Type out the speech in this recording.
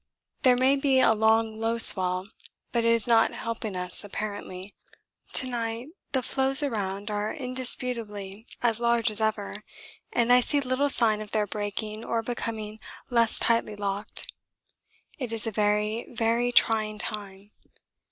There may be a long low swell, but it is not helping us apparently; to night the floes around are indisputably as large as ever and I see little sign of their breaking or becoming less tightly locked. It is a very, very trying time.